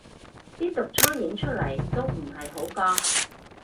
啲毒瘡影出嚟都唔係好覺